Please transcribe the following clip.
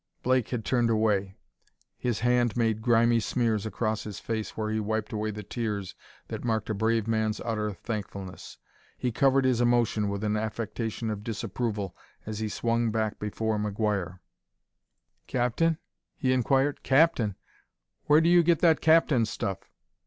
Blake had turned away; his hand made grimy smears across his face where he wiped away the tears that marked a brave man's utter thankfulness. He covered his emotion with an affectation of disapproval as he swung back toward McGuire. "Captain?" he inquired. "Captain? Where do you get that captain stuff?"